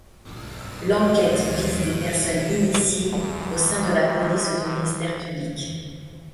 L'enquête vise des personnes initiées, au sein de la police ou du Ministère public.